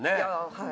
はい。